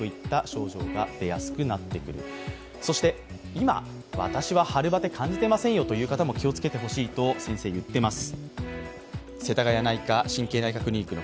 今、私は春バテ感じていませんよという方も気をつけてほしいと先生は言っています。